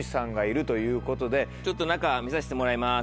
ちょっと中見させてもらいます。